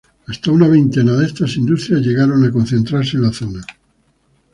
Hasta una veintena de estas industrias llegaron a concentrarse en la zona.